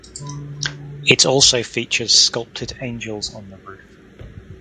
It also features sculpted angels on the roof.